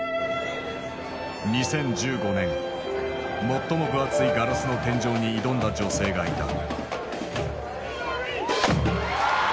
最も分厚いガラスの天井に挑んだ女性がいた。